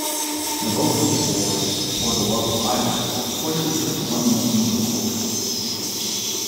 The vocals for "For the Love of Ivy" reportedly took one month to record.